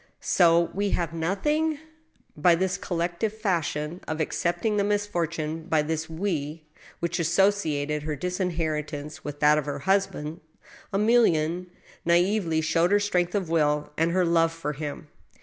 So we have nothing ?" By this collective fashion of accepting the misfortune, by this we^ which associated her disinheritance with that of her husband, Emilienne nsuvely showed her strength of will and her love for him.